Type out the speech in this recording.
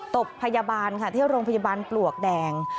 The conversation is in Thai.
บพยาบาลค่ะที่โรงพยาบาลปลวกแดง